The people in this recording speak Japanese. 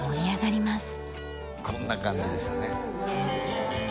こんな感じですよね。